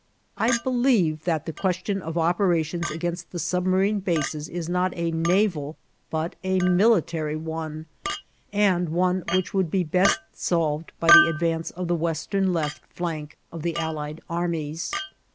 I believe that the question of operations against the submarine bases is not a naval but a military one, and one which would be best solved by the advance of the Western left flank of the Allied armies.